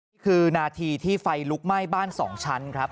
นี่คือนาทีที่ไฟลุกไหม้บ้าน๒ชั้นครับ